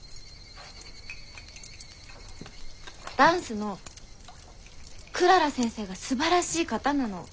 ダンスのクララ先生がすばらしい方なの。